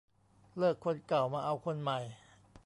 เลิกคนเก่ามาเอาคนใหม่